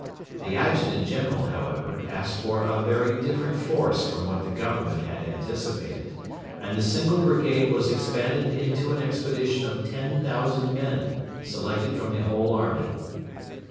The Adjutant General, however, asked for a very different force from what the Government had anticipated, and the single brigade was expanded into an expedition of ten thousand men, selected from the whole army.